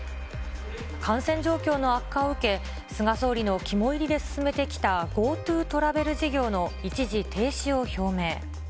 感染状況の悪化を受け、菅総理の肝煎りで進めてきたＧｏＴｏトラベル事業の一時停止を表明。